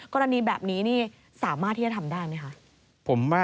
กรณีแบบนี้นี่สามารถที่จะทำได้ไหมคะ